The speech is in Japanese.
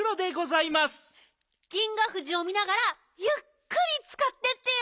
フジを見ながらゆっくりつかってってよ。